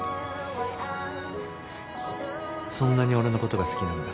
そんなに俺のことが好きなんだ？